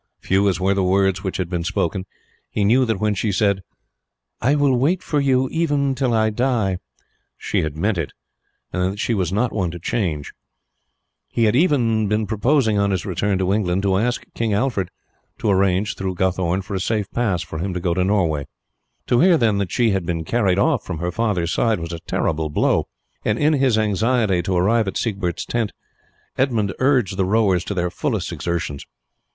Few as were the words which had been spoken, he knew that when she said, "I will wait for you even till I die," she had meant it, and that she was not one to change. He had even been purposing, on his return to England, to ask King Alfred to arrange through Guthorn for a safe pass for him to go to Norway. To hear, then, that she had been carried off from her father's side was a terrible blow, and in his anxiety to arrive at Siegbert's tent Edmund urged the rowers to their fullest exertions.